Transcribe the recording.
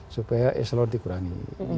supaya eselon dikurangi